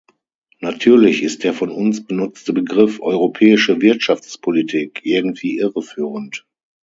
Natürlich ist der von uns benutzte Begriff "europäische Wirtschaftspolitik" irgendwie irreführend.